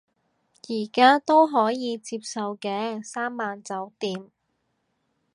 而家都可以接受嘅，三晚酒店